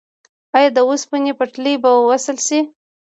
آیا د اوسپنې پټلۍ به وصل شي؟